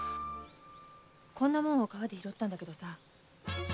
こんなもんを川で拾ったんだけどさ。